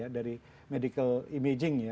dari medical imaging